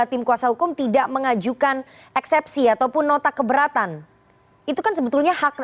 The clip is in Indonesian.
tim kuasa hukum tidak mengajukan eksepsi ataupun nota keberatan itu kan sebetulnya hak